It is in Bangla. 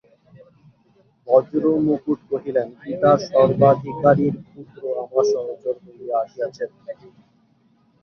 বজ্রমুকুট কহিলেন, পিতার সর্বাধিকারীর পুত্র আমার সহচর হইয়া আসিয়াছেন।